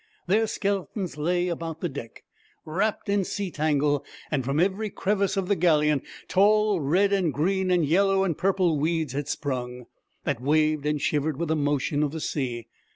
Their skeletons lay about the deck, wrapped in sea tangle, and from every crevice of the galleon tall red and green and yellow and purple weeds had sprung, that waved and shivered with the motion of the sea.